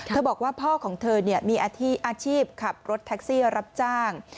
บอกว่าพ่อของเธอมีอาชีพขับรถแท็กซี่รับจ้าง